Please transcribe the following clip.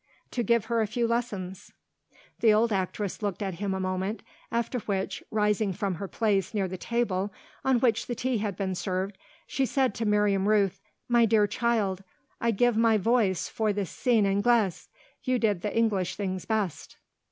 "To give her a few lessons." The old actress looked at him a moment; after which, rising from her place near the table on which the tea had been served, she said to Miriam Rooth: "My dear child, I give my voice for the scène anglaise. You did the English things best."